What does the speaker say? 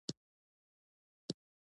استاد د روښانه سبا لپاره کار کوي.